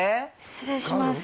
失礼します。